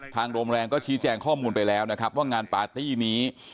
โรงแรมก็ชี้แจงข้อมูลไปแล้วนะครับว่างานปาร์ตี้นี้